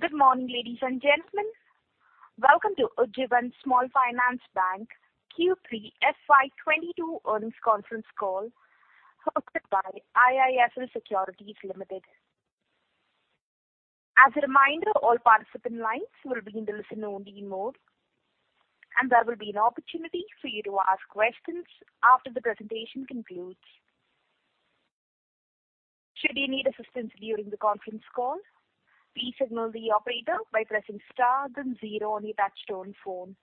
Good morning, ladies and gentlemen. Welcome to Ujjivan Small Finance Bank Q3 FY 2022 earnings conference call hosted by IIFL Securities Limited. As a reminder, all participant lines will be in the listen-only mode, and there will be an opportunity for you to ask questions after the presentation concludes. Should you need assistance during the conference call, please signal the operator by pressing star then zero on your touchtone phone.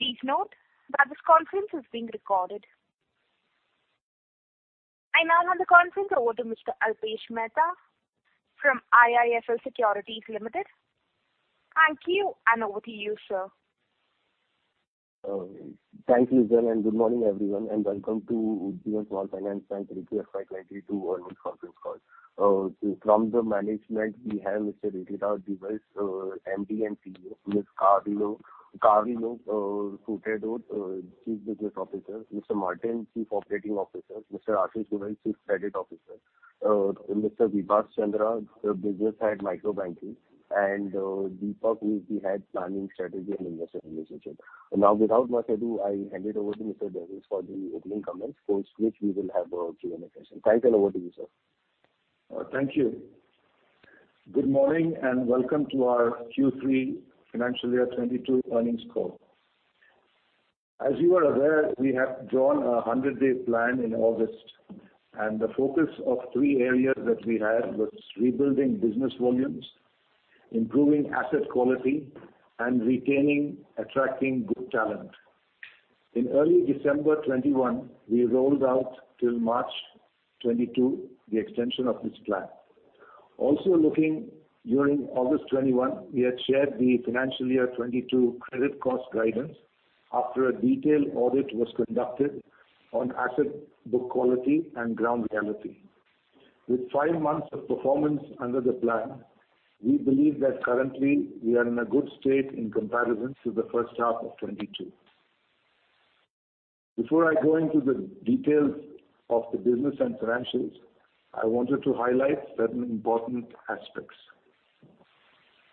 Please note that this conference is being recorded. I now hand the conference over to Mr. Alpesh Mehta from IIFL Securities Limited. Thank you, and over to you, sir. Thank you, Lizan, and good morning, everyone, and welcome to Ujjivan Small Finance Bank Q3 FY 2022 earnings conference call. From the management, we have Mr. Ratinder S. Dhir, MD & CEO, Ms. Carol Furtado, Chief Business Officer, Mr. Martin, Chief Operating Officer, Mr. Ashish Goel, Chief Credit Officer, Mr. Vibhas Chandra, the Business Head, Micro Banking, and Deepak, who is the Head, Planning, Strategy, and Investor Relations. Now without much ado, I hand it over to Mr. Davis for the opening comments, after which we will have a Q&A session. Thank you, and over to you, sir. Thank you. Good morning, and welcome to our Q3 FY 2022 earnings call. As you are aware, we have drawn a 100-day plan in August, and the focus of three areas that we had was rebuilding business volumes, improving asset quality, and retaining attracting good talent. In early December 2021, we rolled out till March 2022, the extension of this plan. Also looking during August 2021, we had shared the FY 2022 credit cost guidance after a detailed audit was conducted on asset book quality and ground reality. With five months of performance under the plan, we believe that currently we are in a good state in comparison to the H1 of 2022. Before I go into the details of the business and financials, I wanted to highlight certain important aspects.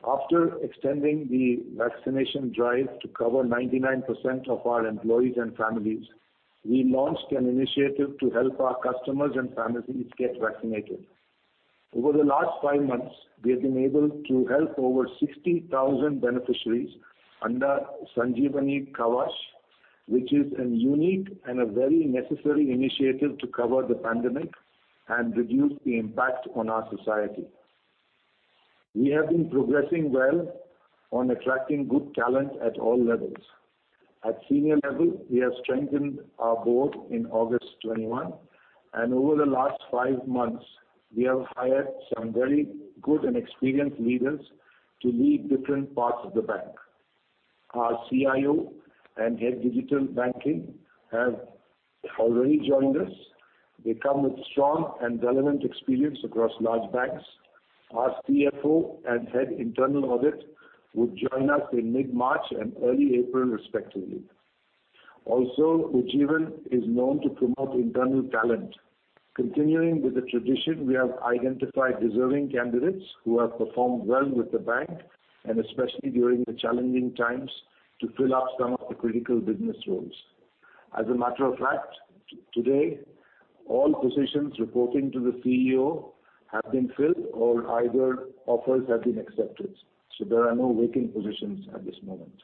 After extending the vaccination drive to cover 99% of our employees and families, we launched an initiative to help our customers and families get vaccinated. Over the last five months, we have been able to help over 60,000 beneficiaries under Sanjeevani Kavach, which is a unique and a very necessary initiative to cover the pandemic and reduce the impact on our society. We have been progressing well on attracting good talent at all levels. At senior level, we have strengthened our board in August 2021, and over the last five months, we have hired some very good and experienced leaders to lead different parts of the bank. Our CIO and Head Digital Banking have already joined us. They come with strong and relevant experience across large banks. Our CFO and Head Internal Audit will join us in mid-March and early April, respectively. Ujjivan is known to promote internal talent. Continuing with the tradition, we have identified deserving candidates who have performed well with the bank, and especially during the challenging times, to fill up some of the critical business roles. As a matter of fact, today, all positions reporting to the CEO have been filled, or either offers have been accepted, so there are no vacant positions at this moment.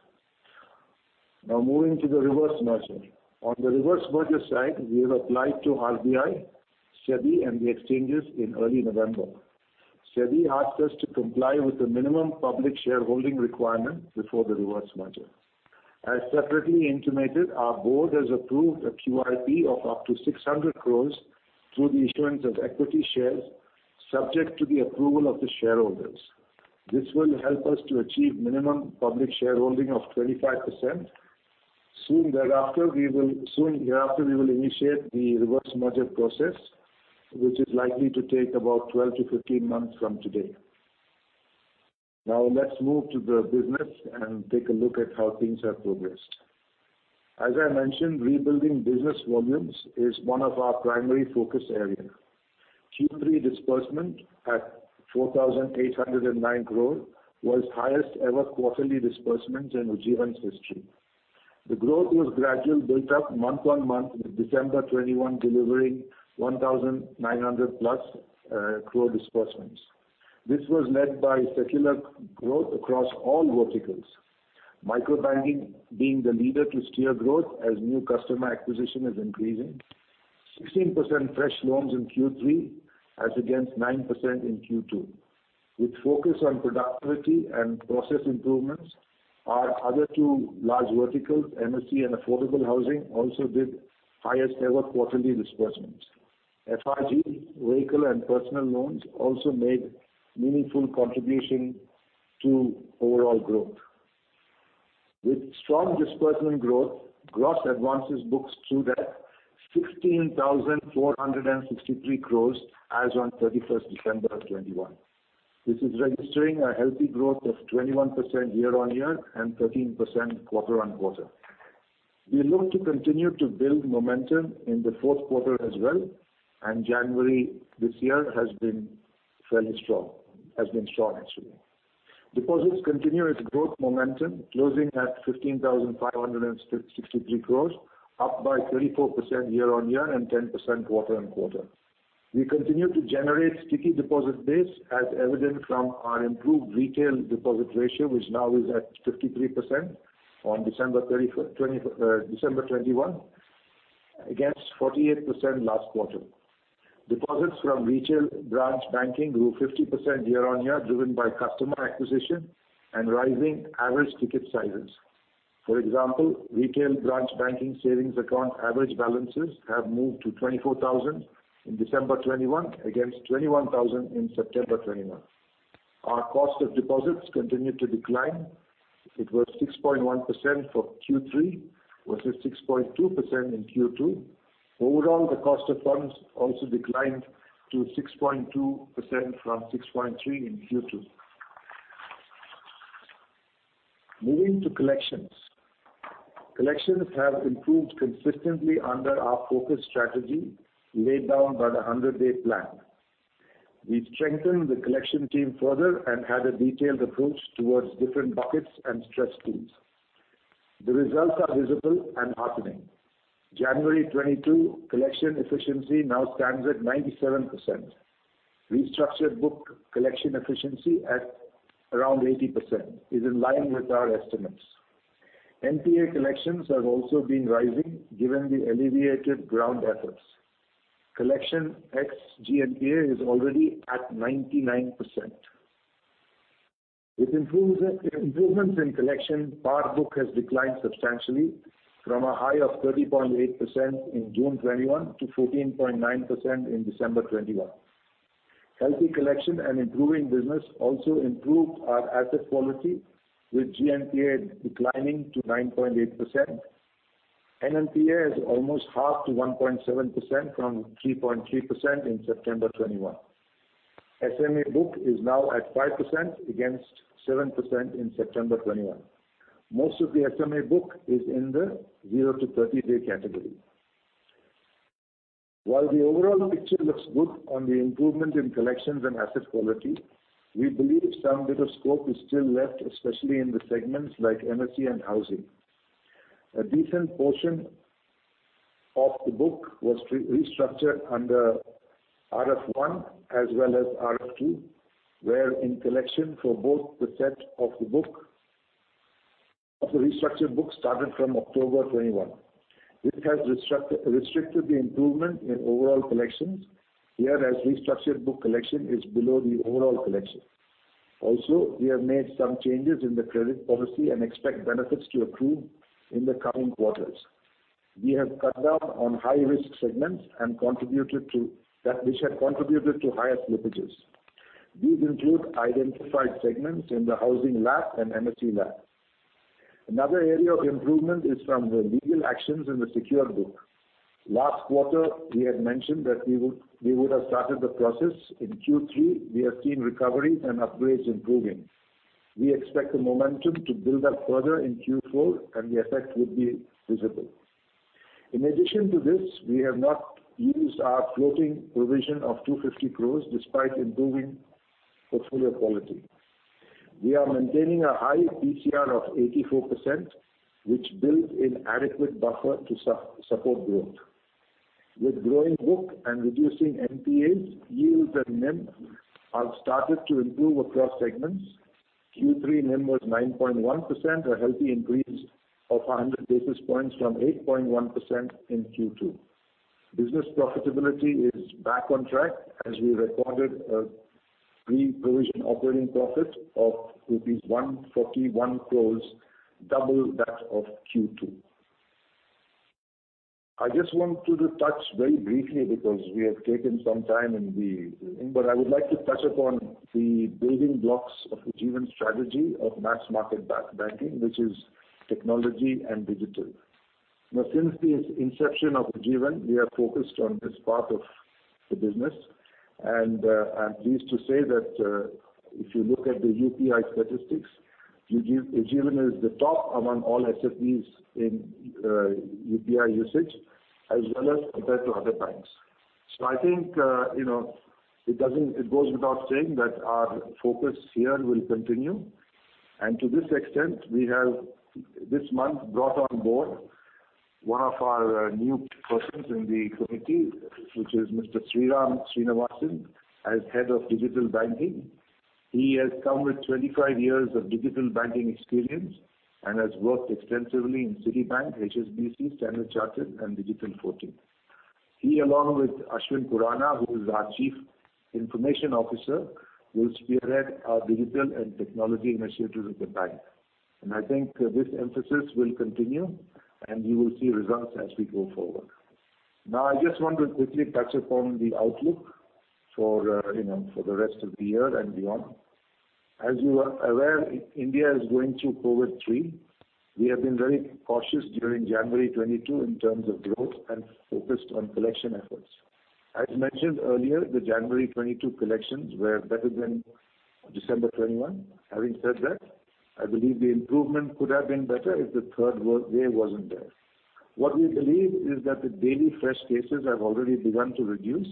Now moving to the reverse merger. On the reverse merger side, we have applied to RBI, SEBI, and the exchanges in early November. SEBI asked us to comply with the minimum public shareholding requirement before the reverse merger. As separately intimated, our board has approved a QIP of up to 600 crore through the issuance of equity shares, subject to the approval of the shareholders. This will help us to achieve minimum public shareholding of 25%. Soon thereafter, we will initiate the reverse merger process, which is likely to take about 12-15 months from today. Now let's move to the business and take a look at how things have progressed. As I mentioned, rebuilding business volumes is one of our primary focus area. Q3 disbursement at 4,809 crore was highest ever quarterly disbursement in Ujjivan's history. The growth was gradual, built up month-on-month, with December 2021 delivering 1,900+ crore disbursements. This was led by secular growth across all verticals, micro-banking being the leader to steer growth as new customer acquisition is increasing. 16% fresh loans in Q3 as against 9% in Q2. With focus on productivity and process improvements, our other two large verticals, MSE and affordable housing, also did highest ever quarterly disbursements. FIG, vehicle, and personal loans also made meaningful contribution to overall growth. With strong disbursement growth, gross advances books stood at 16,463 crore as on 31 December 2021. This is registering a healthy growth of 21% year-on-year and 13% quarter-on-quarter. We look to continue to build momentum in the Q4 as well, and January this year has been fairly strong, has been strong actually. Deposits continue its growth momentum, closing at 15,563 crore, up by 34% year-on-year and 10% quarter-on-quarter. We continue to generate sticky deposit base as evident from our improved retail deposit ratio, which now is at 53% on December 2021, against 48% last quarter. Deposits from retail branch banking grew 50% year-on-year, driven by customer acquisition and rising average ticket sizes. For example, retail branch banking savings account average balances have moved to 24,000 in December 2021 against 21,000 in September 2021. Our cost of deposits continued to decline. It was 6.1% for Q3 versus 6.2% in Q2. Overall, the cost of funds also declined to 6.2% from 6.3% in Q2. Moving to collections. Collections have improved consistently under our focus strategy laid down by the 100-day plan. We've strengthened the collection team further and had a detailed approach towards different buckets and stress pools. The results are visible and heartening. January 2022, collection efficiency now stands at 97%. Restructured book collection efficiency at around 80% is in line with our estimates. NPA collections have also been rising given the alleviated ground efforts. Collection ex-GNPA is already at 99%. With improvements in collection, PAR book has declined substantially from a high of 30.8% in June 2021 to 14.9% in December 2021. Healthy collection and improving business also improved our asset quality with GNPA declining to 9.8%. NNPA is almost half to 1.7% from 3.3% in September 2021. SMA book is now at 5% against 7% in September 2021. Most of the SMA book is in the 0-30-day category. While the overall picture looks good on the improvement in collections and asset quality, we believe some bit of scope is still left, especially in the segments like MSE and housing. A decent portion of the book was restructured under RF1 as well as RF2, wherein collection for both the set of the restructured book started from October 2021. This has restricted the improvement in overall collections, whereas restructured book collection is below the overall collection. Also, we have made some changes in the credit policy and expect benefits to accrue in the coming quarters. We have cut down on high-risk segments that contributed to higher slippages. These include identified segments in the housing LAP and MSE LAP. Another area of improvement is from the legal actions in the secured book. Last quarter, we had mentioned that we would have started the process. In Q3, we have seen recoveries and upgrades improving. We expect the momentum to build up further in Q4, and the effect will be visible. In addition to this, we have not used our floating provision of 250 crores despite improving portfolio quality. We are maintaining a high PCR of 84%, which builds in adequate buffer to support growth. With growing book and reducing NPAs, yields and NIM have started to improve across segments. Q3 NIM was 9.1%, a healthy increase of 100 basis points from 8.1% in Q2. Business profitability is back on track as we recorded a pre-provision operating profit of rupees 141 crores, double that of Q2. I just want to touch very briefly because we have taken some time. I would like to touch upon the building blocks of the Ujjivan strategy of mass market banking, which is technology and digital. Now, since the inception of Ujjivan, we are focused on this part of the business, and I'm pleased to say that if you look at the UPI statistics, Ujjivan is the top among all SFBs in UPI usage as well as compared to other banks. I think you know, it goes without saying that our focus here will continue. To this extent, we have this month brought on board one of our new persons in the committee, which is Mr. Sriram Srinivasan, as head of digital banking. He has come with 25 years of digital banking experience and has worked extensively in Citibank, HSBC, Standard Chartered and Digital14. He, along with Ashwin Khurana, who is our Chief Information Officer, will spearhead our digital and technology initiatives at the bank. I think this emphasis will continue, and you will see results as we go forward. Now, I just want to quickly touch upon the outlook for, you know, for the rest of the year and beyond. As you are aware, India is going through the third wave. We have been very cautious during January 2022 in terms of growth and focused on collection efforts. As mentioned earlier, the January 2022 collections were better than December 2021. Having said that, I believe the improvement could have been better if the third wave wasn't there. What we believe is that the daily fresh cases have already begun to reduce,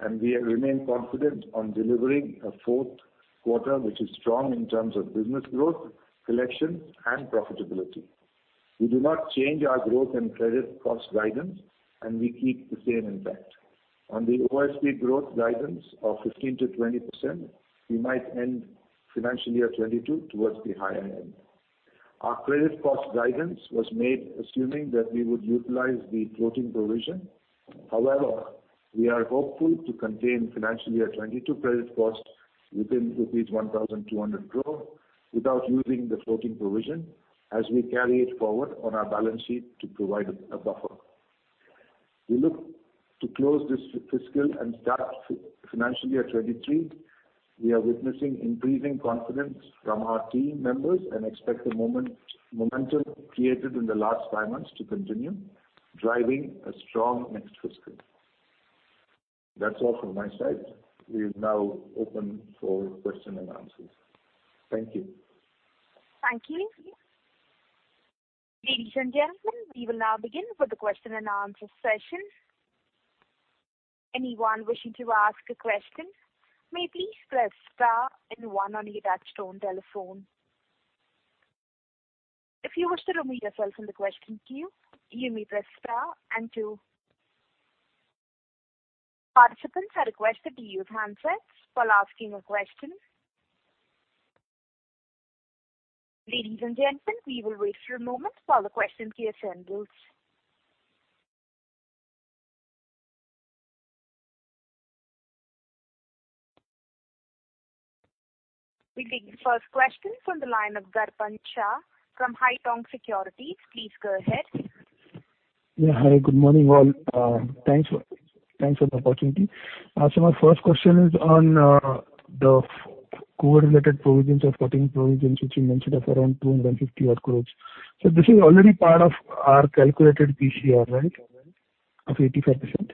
and we have remained confident on delivering a Q4 which is strong in terms of business growth, collections and profitability. We do not change our growth and credit cost guidance, and we keep the same impact. On the OSP growth guidance of 15%-20%, we might end financial year 2022 towards the higher end. Our credit cost guidance was made assuming that we would utilize the floating provision. However, we are hopeful to contain financial year 2022 credit costs within rupees 1,200 crore without using the floating provision as we carry it forward on our balance sheet to provide a buffer. We look to close this fiscal and start financial year 2023. We are witnessing increasing confidence from our team members and expect the momentum created in the last five months to continue driving a strong next fiscal. That's all from my side. We'll now open for question and answers. Thank you. Thank you. Ladies and gentlemen, we will now begin with the question and answer session. Anyone wishing to ask a question may please press star and one on your touchtone telephone. If you wish to remove yourself from the question queue, you may press star and two. Participants are requested to use handsets while asking a question. Ladies and gentlemen, we will wait for a moment while the question queue assembles. We take the first question from the line of Gaurav Panchal from Haitong Securities. Please go ahead. Hi, good morning, all. Thanks for the opportunity. My first question is on the COVID-related provisions or cutting provisions which you mentioned of around 250-odd crore. This is already part of our calculated PCR, right? Of 85%.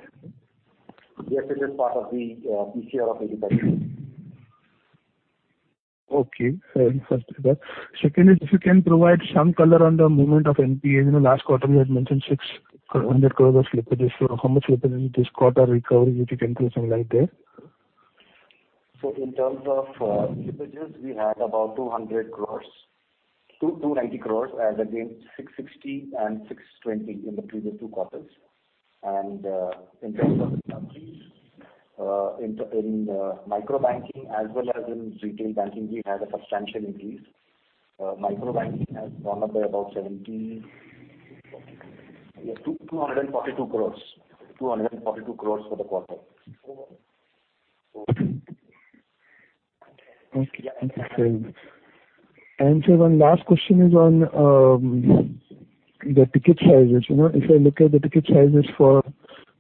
Yes, it is part of the PCR of 85%. Okay. First is that. Second is if you can provide some color on the movement of NPA. In the last quarter, you had mentioned 600 crore of slippages. How much slippage in this quarter recovery, if you can throw some light there. In terms of slippages, we had about 200 crore, 290 crore as against 660 and 620 in the previous two quarters. In terms of recoveries, in the Micro Banking as well as in Retail Banking, we had a substantial increase. Micro Banking has gone up by about 70%. Two forty-two. INR 242 crores for the quarter. Okay. Thank you. Yeah. Sir, one last question is on the ticket sizes. You know, if I look at the ticket sizes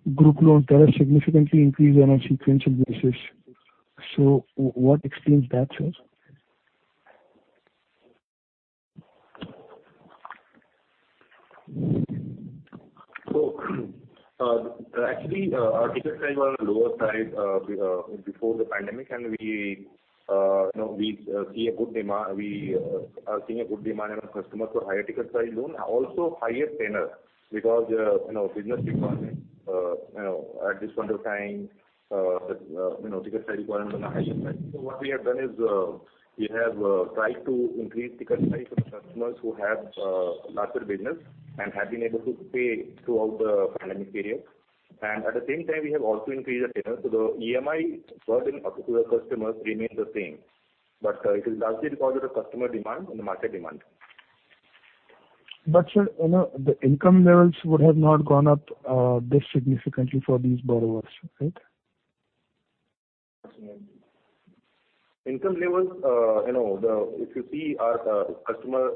for group loans, they have significantly increased on a sequential basis. What explains that, sir? Actually, our ticket size were on the lower side before the pandemic, and we you know are seeing a good demand in our customers for higher ticket size loan, also higher tenor because you know business requirement you know at this point of time you know ticket size requirement on a higher side. What we have done is, we have tried to increase ticket size for the customers who have larger business and have been able to pay throughout the pandemic period. At the same time, we have also increased the tenor, so the EMI burden on the customers remains the same. It is largely because of the customer demand and the market demand. Sir, you know, the income levels would have not gone up this significantly for these borrowers, right? Income levels, you know, if you see our customer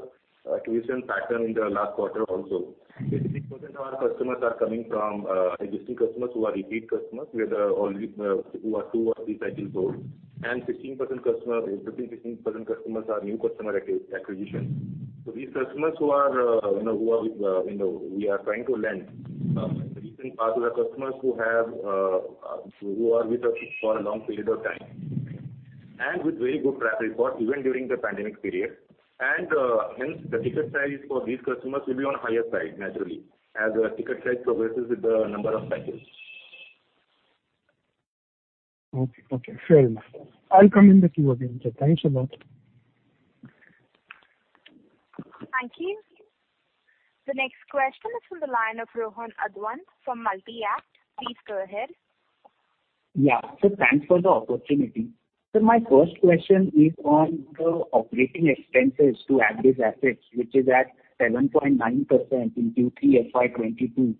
acquisition pattern in the last quarter also, 80% of our customers are coming from existing customers who are repeat customers who are only two or three cycles old, and 15% customers are new customer acquisitions. So these customers who are with us for a long period of time and with very good track record even during the pandemic period. Hence the ticket size for these customers will be on higher side naturally as the ticket size progresses with the number of cycles. Okay. Fair enough. I'll come in the queue again, sir. Thanks a lot. Thank you. The next question is from the line of Rohan Advant from Multi-Act. Please go ahead. Yeah. Thanks for the opportunity. My first question is on the operating expenses to average assets, which is at 7.9% in Q3 FY 2022.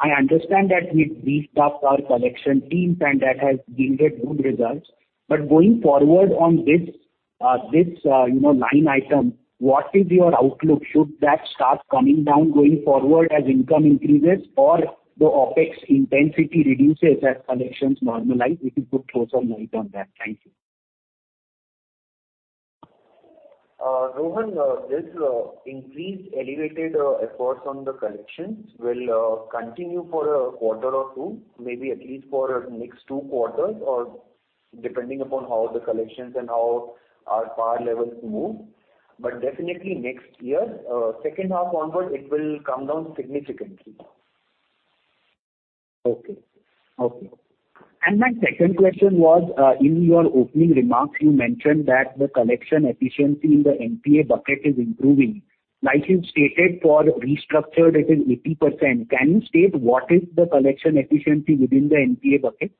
I understand that we've restructured our collection teams and that has yielded good results. But going forward on this line item, what is your outlook? Should that start coming down going forward as income increases or the OpEx intensity reduces as collections normalize? If you could throw some light on that. Thank you. Rohan, this increased elevated efforts on the collections will continue for a quarter or two, maybe at least for next two quarters or depending upon how the collections and how our PAR levels move. Definitely next year, H2 onward, it will come down significantly. Okay. My second question was, in your opening remarks you mentioned that the collection efficiency in the NPA bucket is improving. Like you stated, for restructured it is 80%. Can you state what is the collection efficiency within the NPA bucket?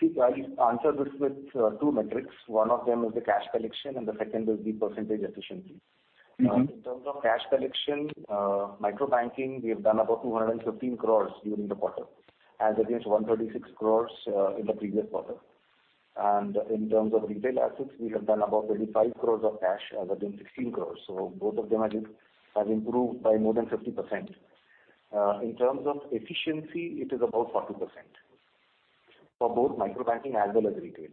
See, I'll answer this with two metrics. One of them is the cash collection, and the second will be percentage efficiency. Mm-hmm. In terms of cash collection, Micro Banking, we have done about 215 crore during the quarter as against 136 crore in the previous quarter. In terms of Retail Assets, we have done about 35 crore of cash as against 16 crore. Both of them have improved by more than 50%. In terms of efficiency, it is about 40% for both Micro Banking as well as Retail.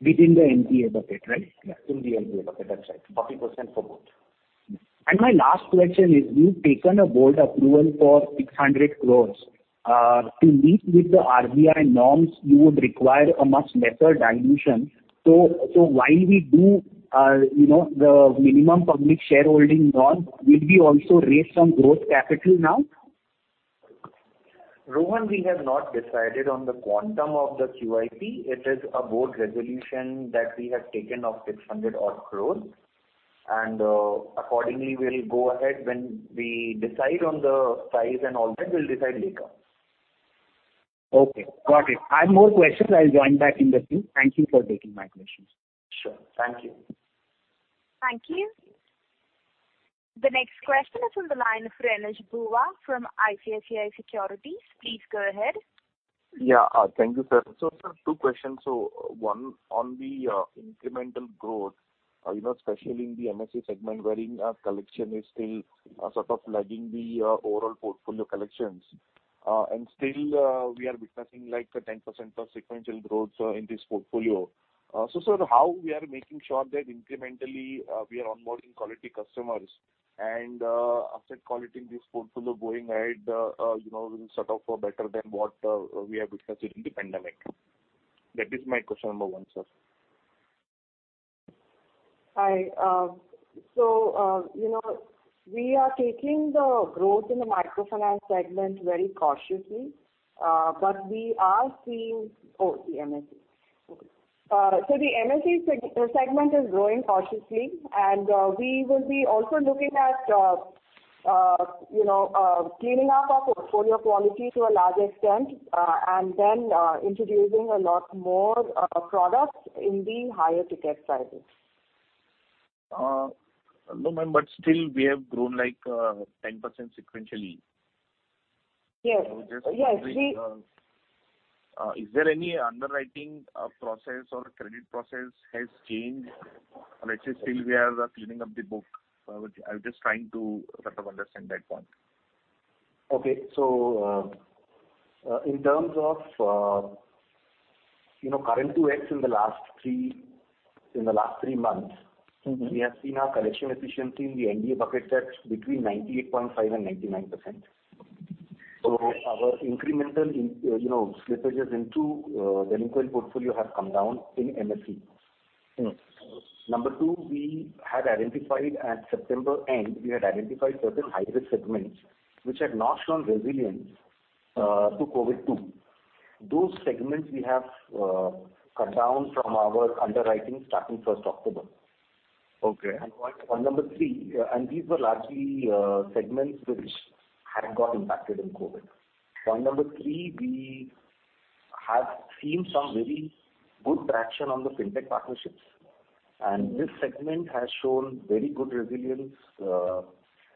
Within the NPA bucket, right? Yeah, in the NPA bucket. That's right. 40% for both. My last question is, you've taken a board approval for 600 crore. To meet with the RBI norms, you would require a much lesser dilution. While we do, you know, the minimum public shareholding norm, will we also raise some growth capital now? Rohan, we have not decided on the quantum of the QIP. It is a board resolution that we have taken of 600 odd crore. Accordingly, we'll go ahead when we decide on the size and all that, we'll decide later. Okay, got it. I have more questions. I'll join back in the queue. Thank you for taking my questions. Sure. Thank you. Thank you. The next question is from the line of Renish Bhuva from ICICI Securities. Please go ahead. Yeah. Thank you, sir. Sir, two questions. One, on the incremental growth, you know, especially in the MSE segment wherein collection is still sort of lagging the overall portfolio collections. And still, we are witnessing like a 10% sequential growth in this portfolio. Sir, how we are making sure that incrementally we are onboarding quality customers and asset quality in this portfolio going ahead, you know, will set up for better than what we have witnessed during the pandemic? That is my question number one, sir. Hi. You know, we are taking the growth in the microfinance segment very cautiously, but we are seeing the MSE segment is growing cautiously, and we will be also looking at you know, cleaning up our portfolio quality to a large extent, and then introducing a lot more products in the higher ticket sizes. No, ma'am, but still we have grown like 10% sequentially. Yes. Just quickly, is there any underwriting process or credit process has changed? Let's say still we are cleaning up the book. Which I'm just trying to sort of understand that point. In terms of, you know, current to X in the last three months. Mm-hmm. We have seen our collection efficiency in the NPA bucket that's between 98.5% and 99%. Okay. Our incremental in, you know, slippages into the retail portfolio have come down in MSE. Mm. Number two, we had identified at September end certain hybrid segments which had not shown resilience to COVID too. Those segments we have cut down from our underwriting starting first October. Okay. Point number three, and these were largely segments which had got impacted in COVID. Okay. Point number three, we have seen some very good traction on the Fintech partnerships, and this segment has shown very good resilience,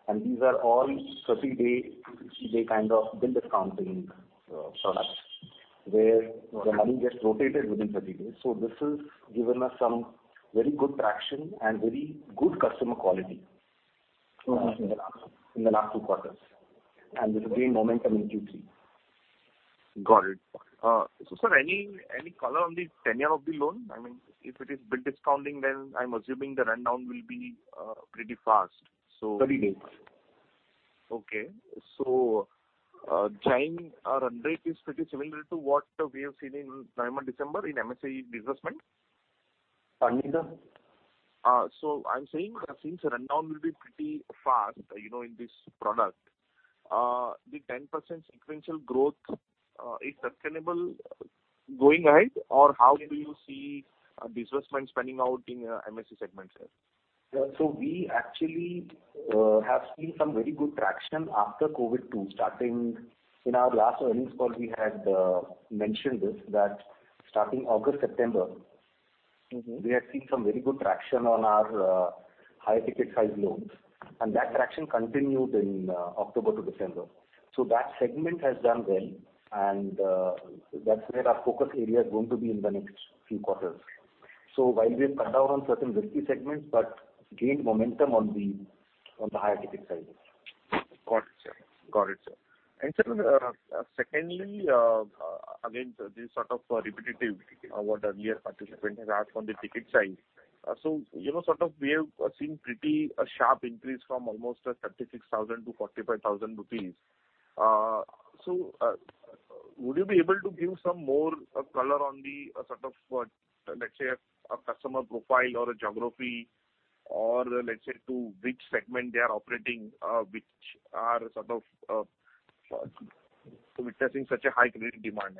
and these are all 30-day kind of bill discounting products where the money gets rotated within 30 days. This has given us some very good traction and very good customer quality. Okay. In the last two quarters, and we have gained momentum in Q3. Got it. Sir, any color on the tenure of the loan? I mean, if it is bill discounting, then I'm assuming the rundown will be pretty fast. 30 days. Time or run rate is pretty similar to what we have seen in November, December in MSE disbursement? Pardon me, sir? I'm saying, since the rundown will be pretty fast, you know, in this product, the 10% sequential growth is sustainable going ahead? Or how do you see disbursement panning out in MSE segment, sir? We actually have seen some very good traction after COVID too. In our last earnings call, we had mentioned this, that starting August, September- Mm-hmm. We have seen some very good traction on our higher ticket size loans, and that traction continued in October to December. That segment has done well and that's where our focus area is going to be in the next few quarters. While we've cut down on certain risky segments but gained momentum on the higher ticket sizes. Got it, sir. Sir, secondly, again, this is sort of repetitive what earlier participant has asked on the ticket size. You know, sort of we have seen pretty a sharp increase from almost 36,000-45,000 rupees. Would you be able to give some more color on the sort of, let's say, a customer profile or a geography or let's say to which segment they are operating, which are sort of witnessing such a high credit demand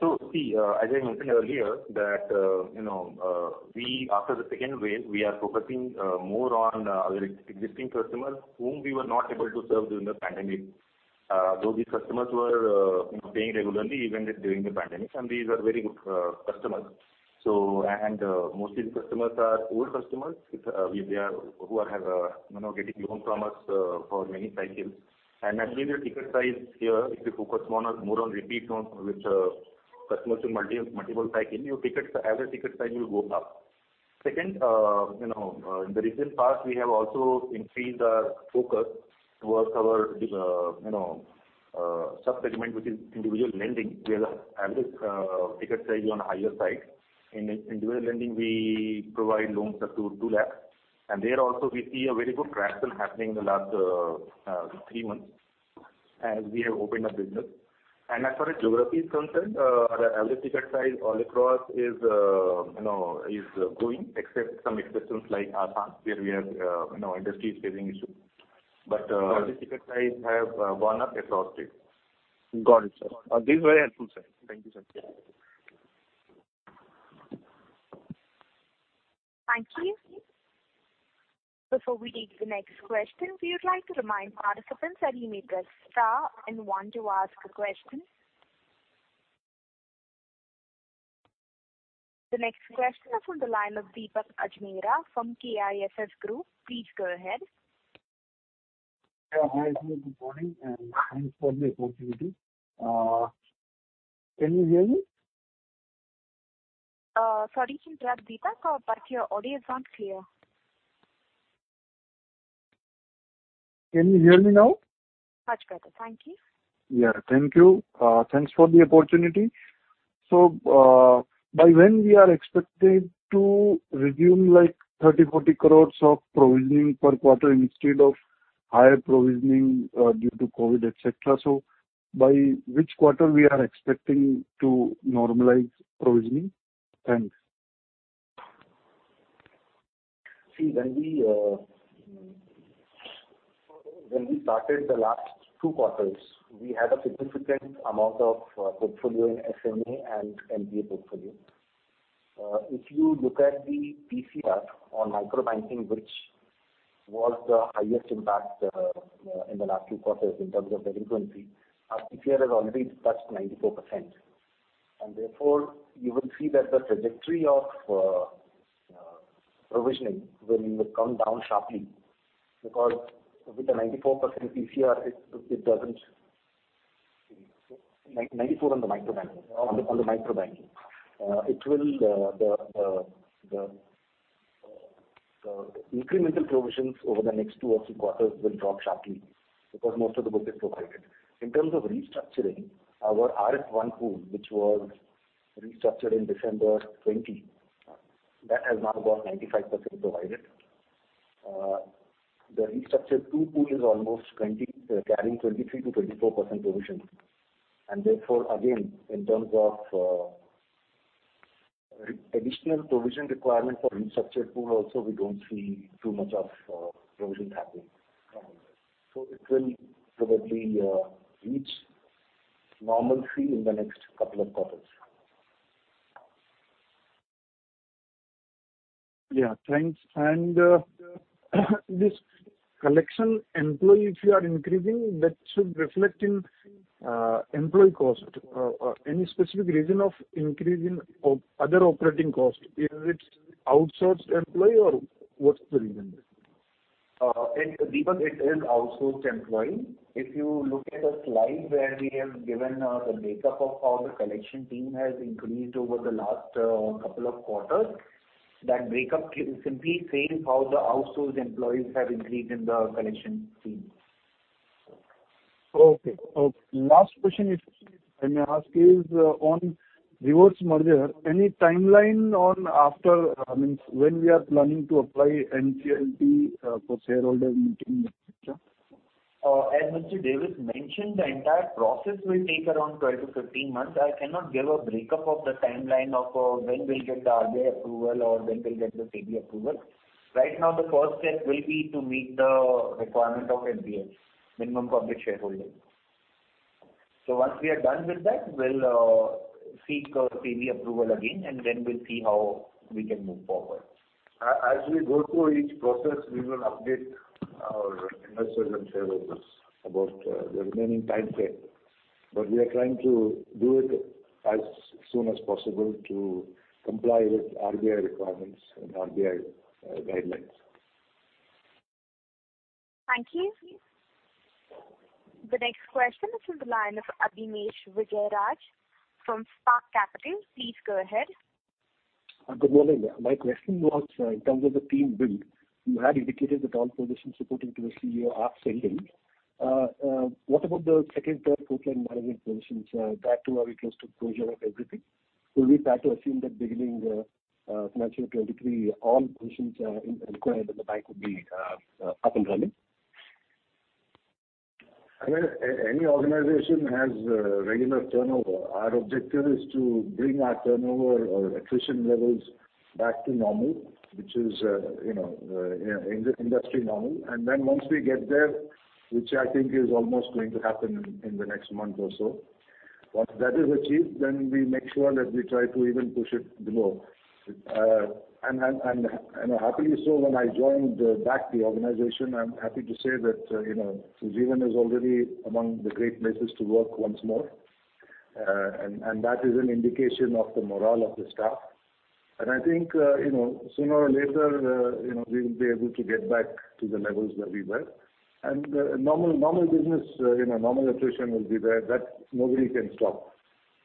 at this point? Yes, yes. See, as I mentioned earlier that, you know, we, after the second wave, are focusing more on our existing customers whom we were not able to serve during the pandemic. Though these customers were, you know, paying regularly even during the pandemic, and these are very good customers. Most of the customers are old customers who have, you know, getting loan from us for many cycles. Actually, the ticket size here, if you focus more on repeat loans with customers in multiple cycles, your average ticket size will go up. Second, you know, in the recent past, we have also increased our focus towards our sub-segment, which is individual lending. We have an average ticket size on higher side. In individual lending we provide loans up to 2 lakh. There also we see a very good traction happening in the last three months as we have opened our business. As far as geography is concerned, the average ticket size all across is, you know, is growing except some exceptions like Assam, where we have, you know, industry is facing issues. All the ticket size have gone up across it. Got it, sir. This is very helpful, sir. Thank you, sir. Thank you. Before we take the next question, we would like to remind participants that you may press star and one to ask a question. The next question is from the line of Deepak Ajmera from KIFS Group. Please go ahead. Yeah, hi. Good morning, and thanks for the opportunity. Can you hear me? Sorry to interrupt, Deepak, but your audio is not clear. Can you hear me now? Much better. Thank you. Yeah. Thank you. Thanks for the opportunity. By when we are expected to resume like 30-40 crores of provisioning per quarter instead of higher provisioning due to COVID, et cetera. By which quarter we are expecting to normalize provisioning? Thanks. See, when we started the last two quarters, we had a significant amount of portfolio in SMA and NPA portfolio. If you look at the PCR on micro banking, which was the highest impact in the last two quarters in terms of delinquency, our PCR has already touched 94%. Therefore you will see that the trajectory of provisioning will come down sharply because with the 94% PCR it doesn't. 94% on the Micro Banking. On the Micro Banking, the incremental provisions over the next two or three quarters will drop sharply because most of the book is provided. In terms of restructuring our RF 1 pool, which was restructured in December 2020, that has now about 95% provided. The restructured 2 pool is almost 20, carrying 23%-24% provision. Therefore again, in terms of additional provision requirement for restructured pool also we don't see too much of provisions happening. It will probably reach normalcy in the next couple of quarters. Yeah. Thanks. This collection employee, if you are increasing, that should reflect in employee cost. Any specific reason of increase in other operating cost? Is it outsourced employee or what's the reason there? Deepak, it is outsourced employee. If you look at the slide where we have given the breakup of how the collection team has increased over the last couple of quarters, that breakup simply says how the outsourced employees have increased in the collection team. Okay. Last question if I may ask is on reverse merger, any timeline, I mean, when we are planning to apply to NCLT for shareholder meeting in the future? As Mr. Davis mentioned, the entire process will take around 12-15 months. I cannot give a breakup of the timeline of when we'll get the RBI approval or when we'll get the SEBI approval. Right now, the first step will be to meet the requirement of MPS, minimum public shareholding. Once we are done with that, we'll seek a SEBI approval again, and then we'll see how we can move forward. As we go through each process, we will update our investors and shareholders about the remaining timeframe. We are trying to do it as soon as possible to comply with RBI requirements and RBI guidelines. Thank you. The next question is from the line of Abhinesh Vijayaraj from Spark Capital. Please go ahead. Good morning. My question was, in terms of the team build, you had indicated that all positions reporting to the CEO are filled. What about the second, third frontline management positions? That too are we close to closure of everything? Will we start to assume that beginning FY 2023, all positions are in place and the bank will be up and running? I mean, any organization has regular turnover. Our objective is to bring our turnover or attrition levels back to normal, which is, you know, in-industry normal. Once we get there, which I think is almost going to happen in the next month or so, once that is achieved, we make sure that we try to even push it below. Happily so when I joined back the organization, I'm happy to say that, you know, Ujjivan is already among the great places to work once more. That is an indication of the morale of the staff. I think, you know, sooner or later, you know, we will be able to get back to the levels that we were. Normal business, you know, normal attrition will be there. That nobody can stop.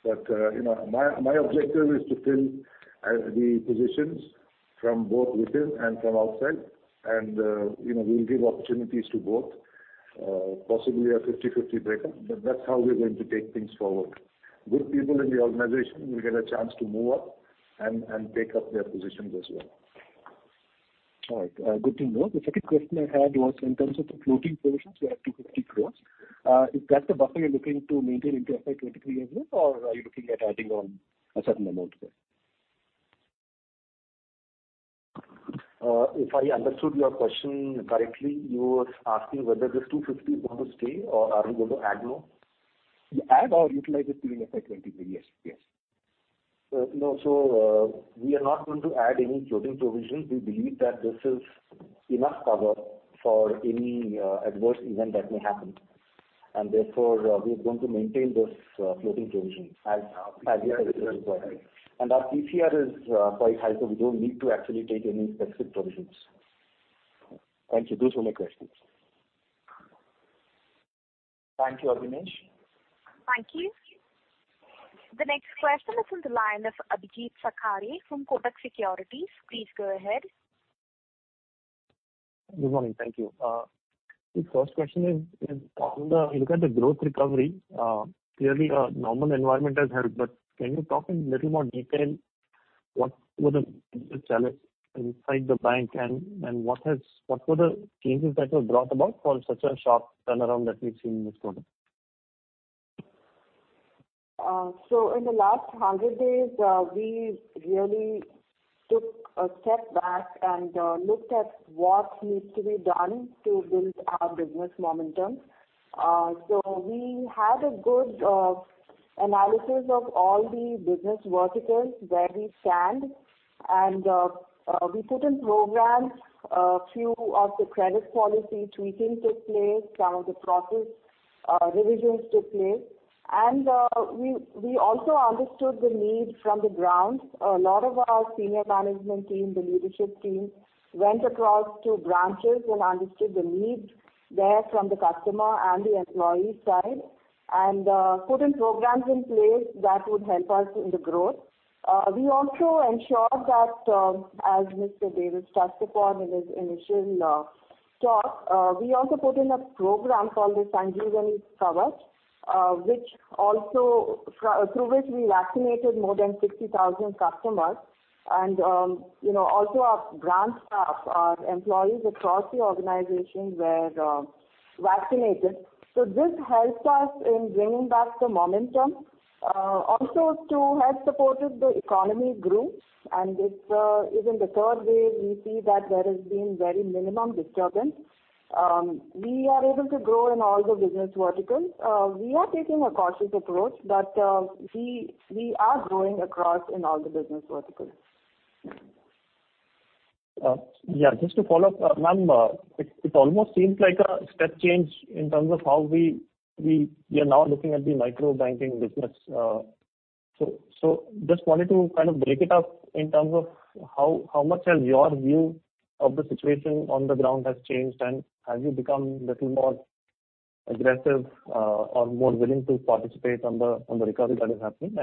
You know, my objective is to fill the positions from both within and from outside, and you know, we'll give opportunities to both, possibly a 50/50 breakup, but that's how we are going to take things forward. Good people in the organization will get a chance to move up and take up their positions as well. All right. Good to know. The second question I had was in terms of the floating provisions, you have 250 crore. Is that the buffer you're looking to maintain into FY 2023 as well, or are you looking at adding on a certain amount there? If I understood your question correctly, you were asking whether this 250 is going to stay or are we going to add more? Add or utilize it during FY 2023, yes. Yes. No. We are not going to add any floating provisions. We believe that this is enough cover for any adverse event that may happen. Therefore, we are going to maintain those floating provisions as we have it as well. Our PCR is quite high, so we don't need to actually take any specific provisions. Thank you. Those were my questions. Thank you, Abhinesh. Thank you. The next question is from the line of Abhijeet Sakhare from Kotak Securities. Please go ahead. Good morning. Thank you. The first question is on the outlook on the growth recovery. Clearly a normal environment has helped, but can you talk in a little more detail what were the biggest challenge inside the bank and what were the changes that were brought about for such a sharp turnaround that we've seen this quarter? In the last 100 days, we really took a step back and looked at what needs to be done to build our business momentum. We had a good analysis of all the business verticals where we stand, and we put in programs, a few of the credit policy tweaking took place, some of the process revisions took place. We also understood the need from the ground. A lot of our senior management team, the leadership team, went across to branches and understood the need there from the customer and the employee side, and put in programs in place that would help us in the growth. We also ensured that, as Mr. Ittira Davis touched upon in his initial talk, we also put in a program called the Sanjeevani Kavach, which also, through which we vaccinated more than 60,000 customers. You know, also our branch staff, our employees across the organization were vaccinated. This helped us in bringing back the momentum, also to help support the economy grow. It's even the third wave, we see that there has been very minimum disturbance. We are able to grow in all the business verticals. We are taking a cautious approach, but we are growing across in all the business verticals. Yeah, just to follow up, ma'am. It almost seems like a step change in terms of how we are now looking at the microbanking business. Just wanted to kind of break it up in terms of how much has your view of the situation on the ground has changed, and have you become little more aggressive, or more willing to participate on the recovery that is happening?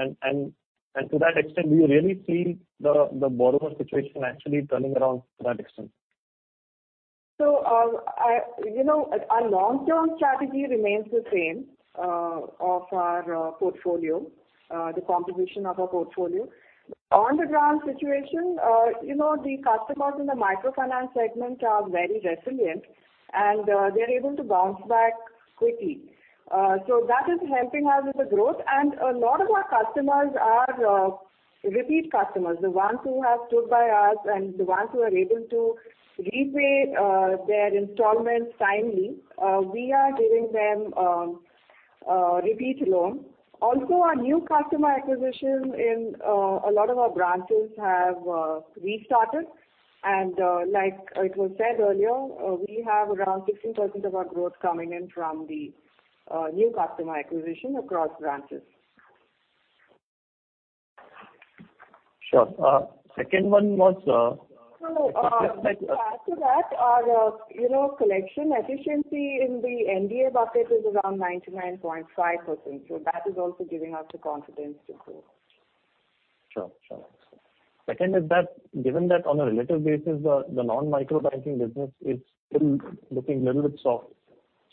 To that extent, do you really see the borrower situation actually turning around to that extent? you know, our long-term strategy remains the same of our portfolio, the composition of our portfolio. On the ground situation, you know, the customers in the microfinance segment are very resilient, and they're able to bounce back quickly. that is helping us with the growth. a lot of our customers are repeat customers, the ones who have stood by us and the ones who are able to repay their installments timely. we are giving them repeat loan. Also our new customer acquisition in a lot of our branches have restarted. like, it was said earlier, we have around 16% of our growth coming in from the new customer acquisition across branches. Sure. Second one was, After that, our, you know, collection efficiency in the NPA bucket is around 99.5%, so that is also giving us the confidence to grow. Sure. Second is that, given that on a relative basis, the non-micro banking business is still looking a little bit soft.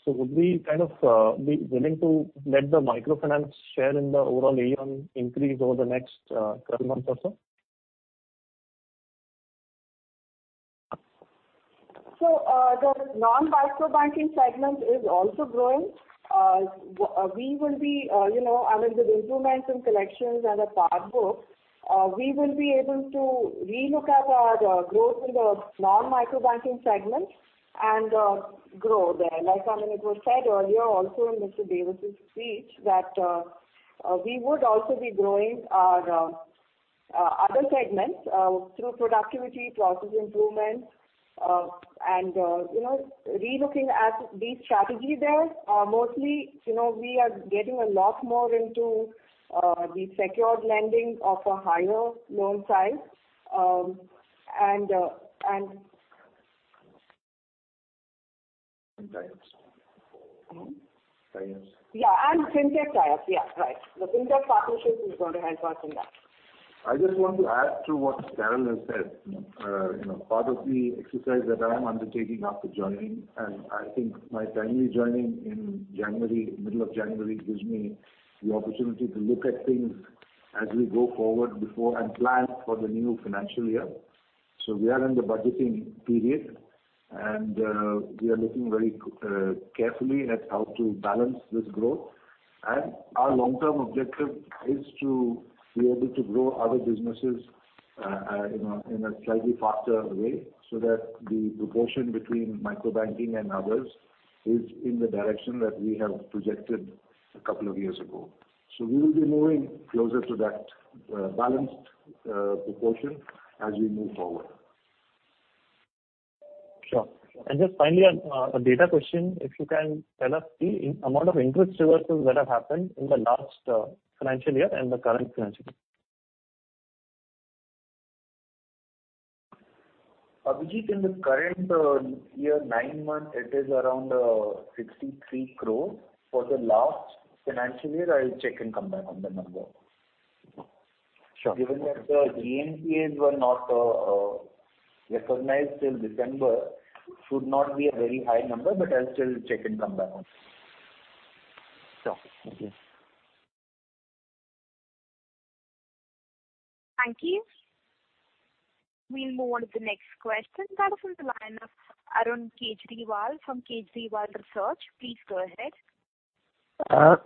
Would we kind of be willing to let the microfinance share in the overall AUM increase over the next 12 months or so? The non-micro banking segment is also growing. We will be, you know, I mean, with improvements in collections and the portfolio, we will be able to relook at our growth in the non-micro banking segment and grow there. Like, I mean, it was said earlier also in Mr. Davis' speech that we would also be growing our other segments through productivity, process improvement, and, you know, relooking at the strategy there. Mostly, you know, we are getting a lot more into the secured lending of a higher loan size, and Tie-ups. Hmm? Tie-ups. Yeah, fintech tie-ups. Yeah. Right. The fintech partnerships is going to help us in that. I just want to add to what Carol has said. You know, part of the exercise that I am undertaking after joining, and I think my timely joining in January, middle of January, gives me the opportunity to look at things as we go forward before I plan for the new financial year. We are in the budgeting period, and we are looking very carefully at how to balance this growth. Our long-term objective is to be able to grow other businesses, you know, in a slightly faster way, so that the proportion between Micro Banking and others is in the direction that we have projected a couple of years ago. We will be moving closer to that balanced proportion as we move forward. Sure. Just finally, a data question, if you can tell us the amount of interest reversals that have happened in the last financial year and the current financial year? Abhijeet, in the current year nine months, it is around 63 crore. For the last financial year, I'll check and come back on the number. Sure. Given that the GNPA were not recognized till December, it should not be a very high number, but I'll still check and come back on it. Sure. Thank you. Thank you. We'll move on to the next question. That is from the line of Arun Kejriwal from Kejriwal Research. Please go ahead.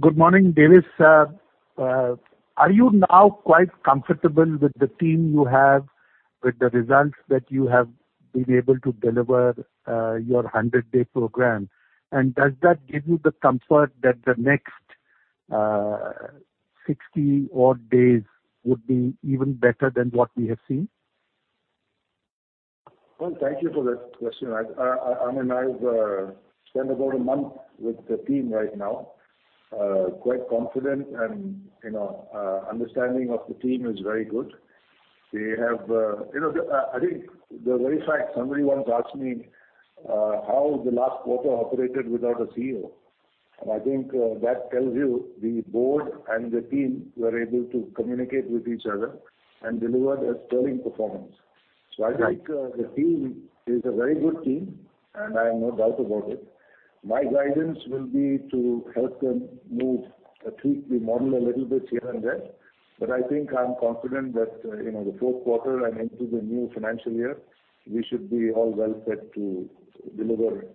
Good morning, Ittira Davis. Are you now quite comfortable with the team you have, with the results that you have been able to deliver, your 100-day program? Does that give you the comfort that the next, 60-odd days would be even better than what we have seen? Well, thank you for that question. I mean, I've spent about a month with the team right now. I'm quite confident and, you know, understanding of the team is very good. They have, you know, I think the very fact somebody once asked me how the last quarter operated without a CEO. I think that tells you the board and the team were able to communicate with each other and delivered a sterling performance. Right. I think the team is a very good team, and I have no doubt about it. My guidance will be to help them move, tweak the model a little bit here and there. I think I'm confident that, you know, the Q4 and into the new financial year, we should be all well set to deliver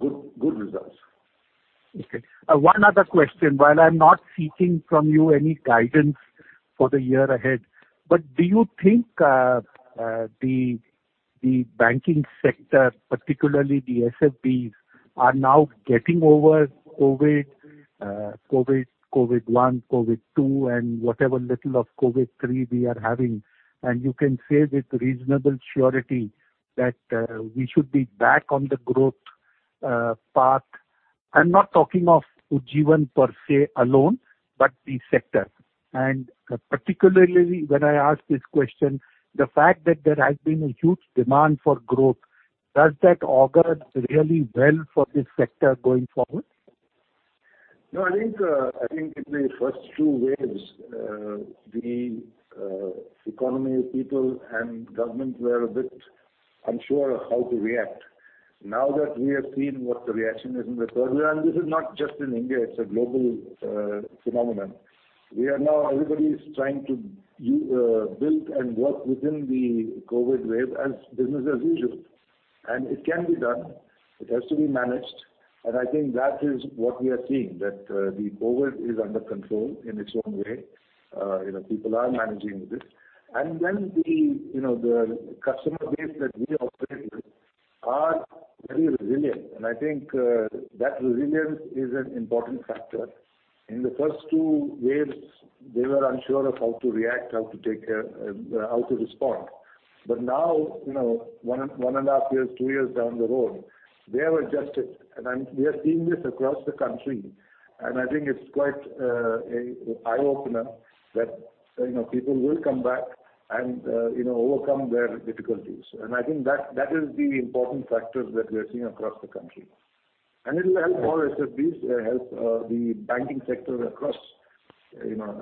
good results. Okay. One other question. While I'm not seeking from you any guidance for the year ahead, but do you think the banking sector, particularly the SFBs, are now getting over COVID one, COVID two, and whatever little of COVID three we are having, and you can say with reasonable surety that we should be back on the growth path? I'm not talking of Ujjivan per se alone, but the sector. Particularly when I ask this question, the fact that there has been a huge demand for growth, does that augur really well for this sector going forward? No, I think in the first two waves, the economy, people and government were a bit unsure of how to react. Now that we have seen what the reaction is in the third wave, and this is not just in India, it's a global phenomenon. We are now, everybody is trying to build and work within the COVID wave as business as usual. It can be done. It has to be managed. I think that is what we are seeing, that the COVID is under control in its own way. You know, people are managing this. Then the customer base that we operate with are very resilient. I think that resilience is an important factor. In the first two waves, they were unsure of how to react, how to take care, how to respond. Now, you know, one and a half years, two years down the road, they have adjusted. We are seeing this across the country. I think it's quite an eye-opener that, you know, people will come back and you know overcome their difficulties. I think that is the important factors that we are seeing across the country. It'll help all SFBs help the banking sector across, you know,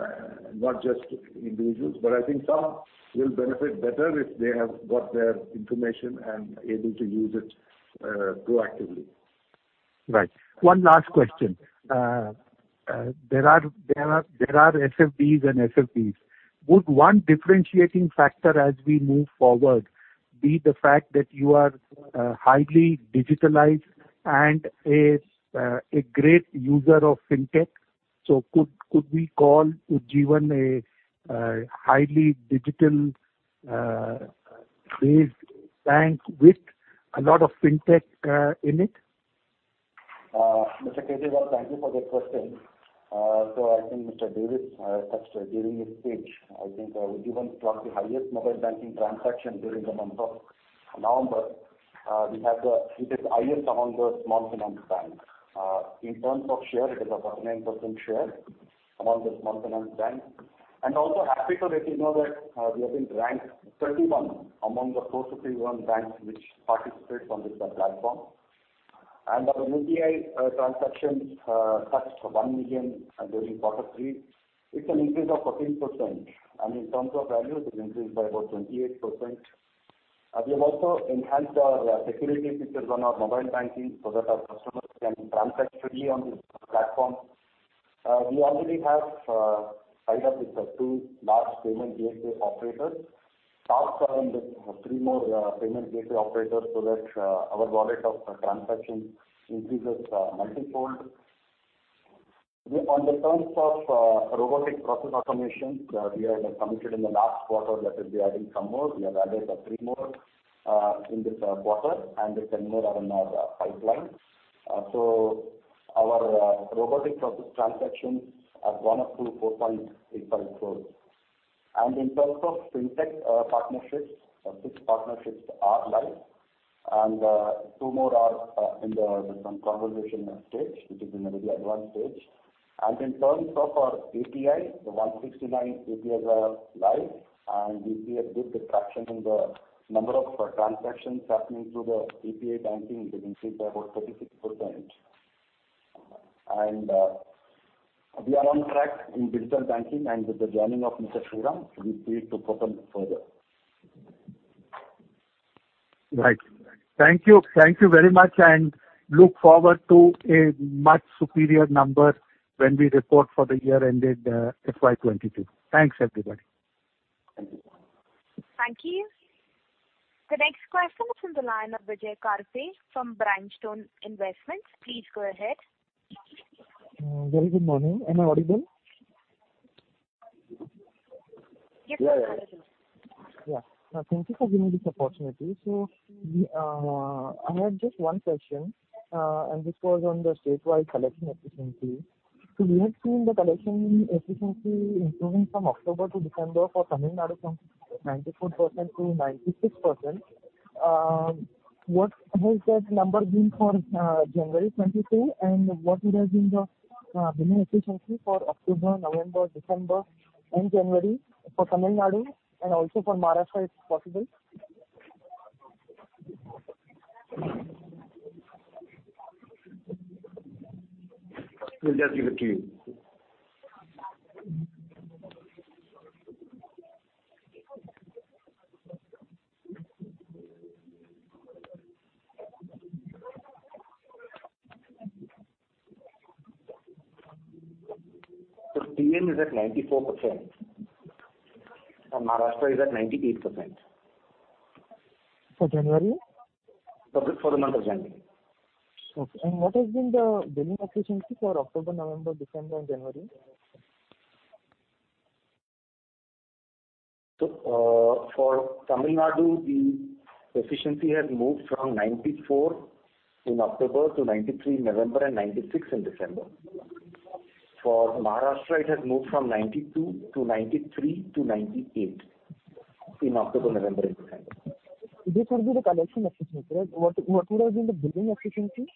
not just individuals, but I think some will benefit better if they have got their information and able to use it proactively. Right. One last question. There are SFBs and SFBs. Would one differentiating factor as we move forward be the fact that you are highly digitalized and a great user of Fintech? Could we call Ujjivan a highly digital based bank with a lot of Fintech in it? Mr. Kejriwal, thank you for that question. I think Mr. Davis touched during his speech. Ujjivan got the highest mobile banking transaction during the month of November. It is highest among the small finance banks. In terms of share, it is a 14% share among the small finance banks. Happy to let you know that we have been ranked 31 among the 431 banks which participate on this platform. Our UPI transactions touched 1 million during quarter three. It's an increase of 14%, and in terms of value it increased by about 28%. We have also enhanced our security features on our mobile banking so that our customers can transact freely on this platform. We already have tied up with two large payment gateway operators. Talks are on with three more payment gateway operators so that our wallet of transactions increases multifold. On the terms of robotic process automation, we had committed in the last quarter that we'll be adding some more. We have added three more in this quarter, and there are 10 more in our pipeline. So our robotic process transactions have gone up to INR 4.85 crores. In terms of Fintech partnerships, six partnerships are live and two more are in the conversation stage, which is in a very advanced stage. In terms of our API, the 169 APIs are live, and we see a good traction in the number of transactions happening through the API banking. It increased by about 36%. We are on track in digital banking, and with the joining of Mr. Sriram, we believe to push them further. Right. Thank you. Thank you very much, and we look forward to a much superior number when we report for the year ended FY 2022. Thanks, everybody. Thank you. The next question is from the line of Vijay Karpe from Branchstone Investments. Please go ahead. Very good morning. Am I audible? Yes, sir. Audible. Yeah. Thank you for giving me this opportunity. I have just one question, and this was on the statewide collection efficiency. We had seen the collection efficiency improving from October to December for Tamil Nadu from 94% to 96%. What has that number been for January 2022, and what would have been the billing efficiency for October, November, December and January for Tamil Nadu, and also for Maharashtra, if possible? Will just give it to you. TM is at 94% and Maharashtra is at 98%. For January? For the month of January. Okay. What has been the billing efficiency for October, November, December and January? For Tamil Nadu, the efficiency has moved from 94% in October to 93% in November and 96% in December. For Maharashtra, it has moved from 92% in October to 93% in November to 98% in December. This would be the collection efficiency, right? What would have been the billing efficiency?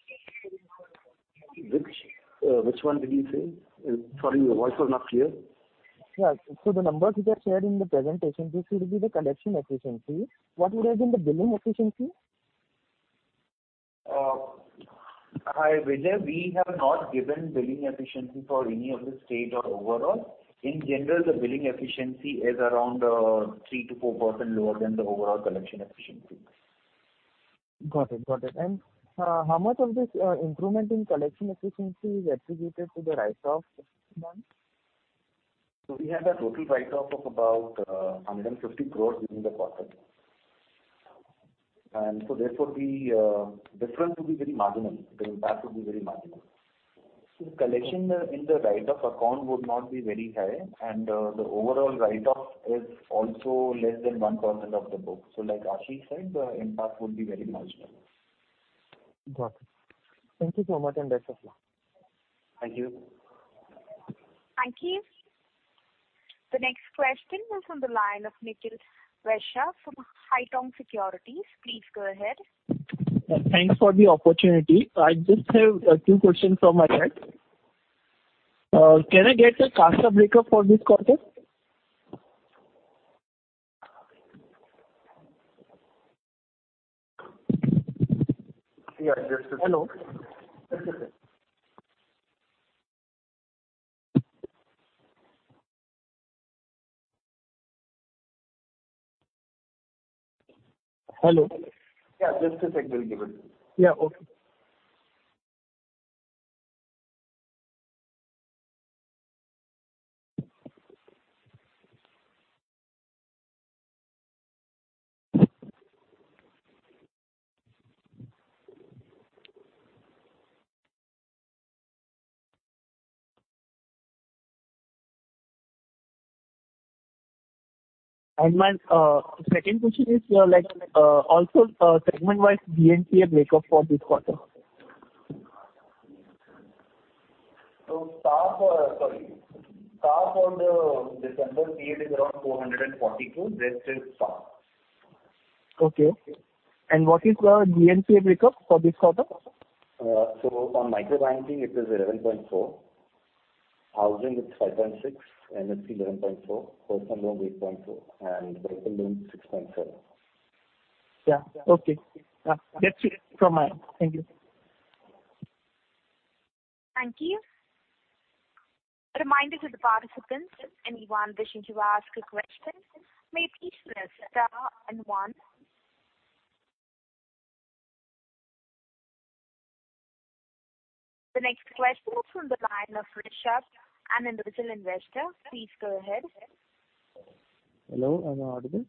Which one did you say? Sorry, your voice was not clear. Yeah. The numbers which are shared in the presentation, this would be the collection efficiency. What would have been the billing efficiency? Hi, Vijay. We have not given billing efficiency for any of the state or overall. In general, the billing efficiency is around 3%-4% lower than the overall collection efficiency. Got it. How much of this improvement in collection efficiency is attributed to the write-off of loans? We had a total write-off of about 150 crore during the quarter. The difference would be very marginal. The impact would be very marginal. Collection in the write-off account would not be very high, and the overall write-off is also less than 1% of the book. Like Ashish said, the impact would be very marginal. Got it. Thank you so much, and best of luck. Thank you. Thank you. The next question is from the line of Nikhil Ranka from Haitong Securities. Please go ahead. Thanks for the opportunity. I just have a few questions from my end. Can I get a cost of breakup for this quarter? Yeah, just a- Hello? Hello? Yeah, just a sec. We'll give it. Yeah. Okay. My second question is, like, also, segment-wise GNPA breakup for this quarter? CAR for the December period is around 442. Rest is CAR. Okay. What is the GNPA breakup for this quarter? On micro banking it is 11.4%. Housing it's 5.6%. MSE 11.4%. Personal loan 8.2%. Vehicle loan 6.7%. Yeah. Okay. That's it from my end. Thank you. Thank you. A reminder to the participants, anyone wishing to ask a question may please press star and one. The next question is from the line of Rishab, an individual investor. Please go ahead. Hello, am I audible?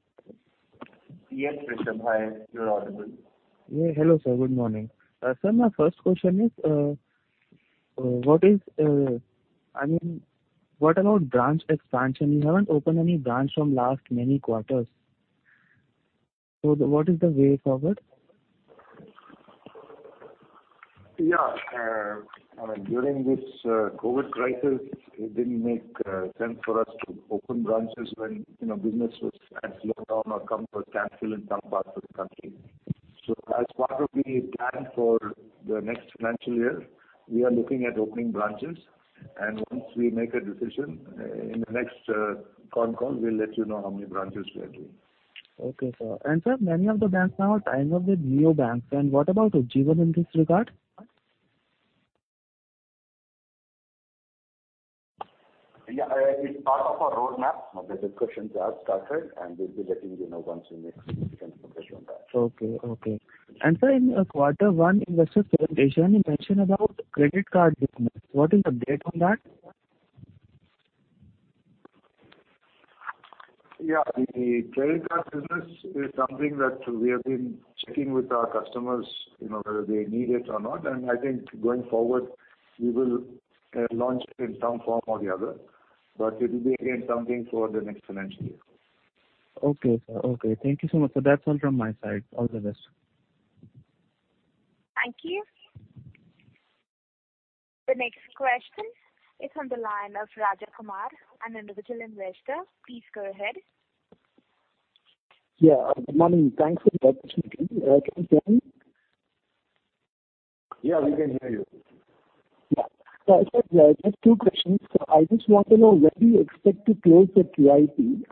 Yes, Rishab. Hi. You're audible. Yeah. Hello, sir. Good morning. Sir, my first question is, I mean, what about branch expansion? You haven't opened any branch from last many quarters. What is the way forward? Yeah. I mean, during this COVID crisis, it didn't make sense for us to open branches when, you know, business was at slowdown or come to a standstill in some parts of the country. As part of the plan for the next financial year, we are looking at opening branches, and once we make a decision in the next con call, we'll let you know how many branches we are doing. Okay, sir. Sir, many of the banks now are tying up with neobanks. What about Ujjivan in this regard? Yeah. It's part of our roadmap. The discussions have started, and we'll be letting you know once we make significant progress on that. Okay. Sir, in quarter one investor presentation, you mentioned about credit card business. What is the update on that? Yeah. The credit card business is something that we have been checking with our customers, you know, whether they need it or not. I think going forward, we will launch it in some form or the other. It will be, again, something for the next financial year. Okay, sir. Okay. Thank you so much, sir. That's all from my side. All the best. Thank you. The next question is on the line of Rajakumar, an individual investor. Please go ahead. Yeah. Good morning. Thanks for your presentation. Can you hear me? Yeah, we can hear you. Yeah. I said just two questions. I just want to know when do you expect to close the QIP?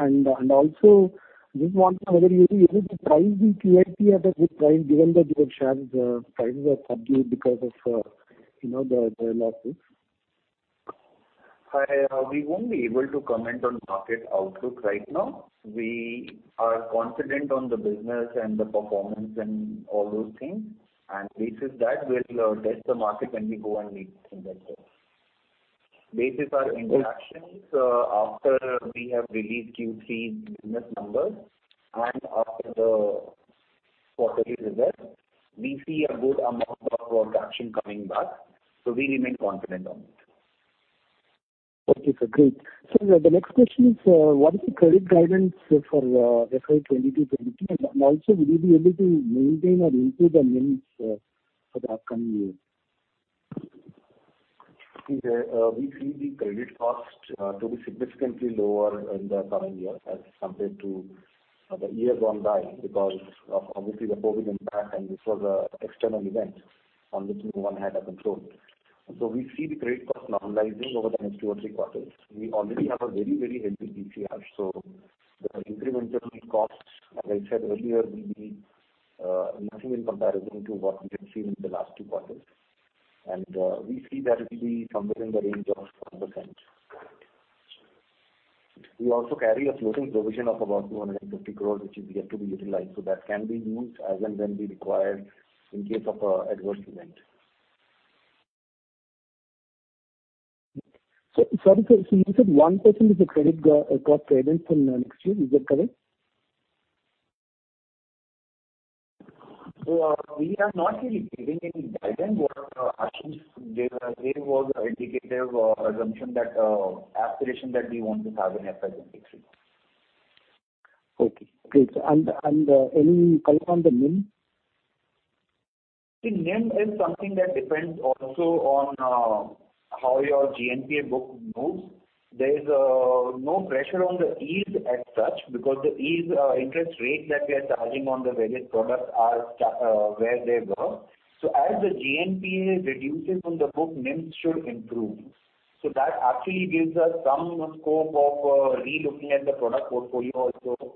Also just want to know whether you'll be able to price the QIP at a good price given that your shares prices are subdued because of you know, the lawsuits. Hi. We won't be able to comment on market outlooks right now. We are confident on the business and the performance and all those things. Basis that, we'll test the market when we go and meet investors. Basis our interactions, after we have released Q3 business numbers and after the quarterly results, we see a good amount of transactions coming back. We remain confident on it. Okay, sir. Great. Sir, the next question is, what is the credit guidance for FY 2022-2023? And also, will you be able to maintain or improve the NIMs for the upcoming year? We see the credit cost to be significantly lower in the current year as compared to the year gone by because of obviously the COVID impact, and this was an external event on which no one had a control. We see the credit cost normalizing over the next two or three quarters. We already have a very, very healthy TCR. The incremental cost, as I said earlier, will be nothing in comparison to what we had seen in the last two quarters. We see that it'll be somewhere in the range of 1%. We also carry a floating provision of about 250 crores, which is yet to be utilized, so that can be used as and when we require in case of an adverse event. Sorry, sir. You said 1% is the credit cost guidance for next year. Is that correct? We are not really giving any guidance. What Ashish gave was an indicative assumption that aspiration that we want to have in FY 2023. Okay, great. Any color on the NIM? See, NIM is something that depends also on how your GNPA book moves. There is no pressure on these as such because these interest rate that we are charging on the various products are where they were. As the GNPA reduces on the book, NIMs should improve. That actually gives us some scope of re-looking at the product portfolio also.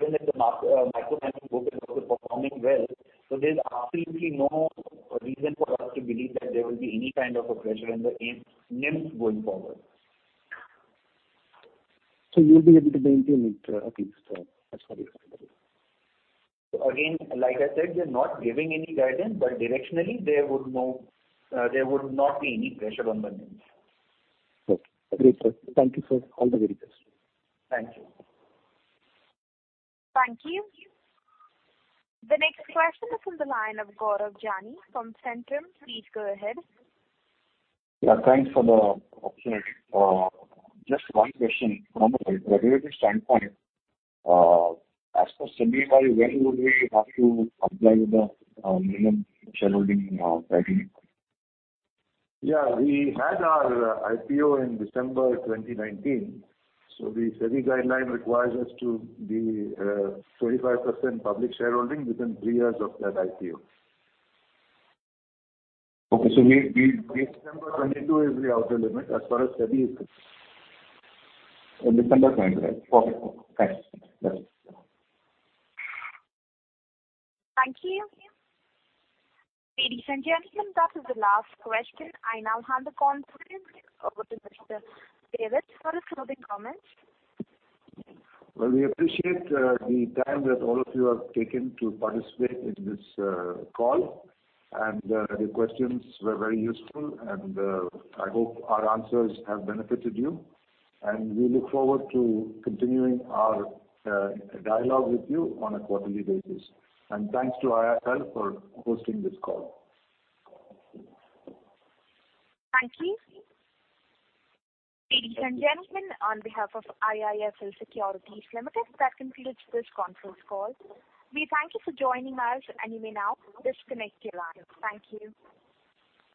Even if the Micro Banking book is also performing well, so there's absolutely no reason for us to believe that there will be any kind of a pressure in the NIMs going forward. You'll be able to maintain it, at least, as far as Again, like I said, we are not giving any guidance, but directionally, there would not be any pressure on the NIMs. Okay. Great. Thank you, sir. All the very best. Thank you. Thank you. The next question is from the line of Gaurav Jani from Centrum. Please go ahead. Yeah, thanks for the opportunity. Just one question. From a regulatory standpoint, as per SEBI, when would we have to apply the minimum shareholding guideline? Yeah. We had our IPO in December 2019. The SEBI guideline requires us to be 25% public shareholding within 3 years of that IPO. Okay. We December 22 is the outer limit as far as SEBI is concerned. In December 2022. Okay. Thanks. Bye. Thank you. Ladies and gentlemen, that is the last question. I now hand the conference over to Mr. Ittira Davis for some closing comments. Well, we appreciate the time that all of you have taken to participate in this call. Your questions were very useful, and I hope our answers have benefited you. We look forward to continuing our dialogue with you on a quarterly basis. Thanks to IIFL for hosting this call. Thank you. Ladies and gentlemen, on behalf of IIFL Securities Limited, that concludes this conference call. We thank you for joining us, and you may now disconnect your line. Thank you.